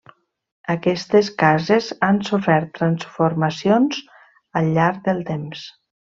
Aquestes cases han sofert transformacions al llarg del temps.